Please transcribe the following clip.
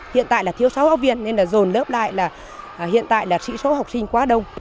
hiện tại là thiếu sáu giáo viên nên là dồn lớp lại là hiện tại là sĩ số học sinh quá đông